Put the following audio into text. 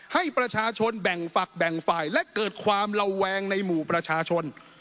ให้ประชาชนแบ่งฝักแบ่งฝ่ายและเกิดความระแวงในหมู่ประชาชน